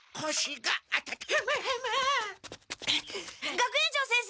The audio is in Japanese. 学園長先生！